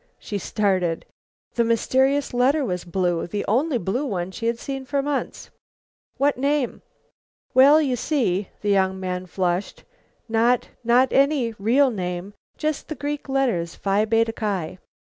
She started. The mysterious letter was blue; the only blue one she had seen for months. "What name?" "Well, you see," the young man flushed, "not not any real name; just the Greek letters, Phi Beta Ki."